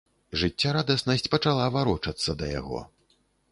Жыццярадаснасць пачала варочацца да яго.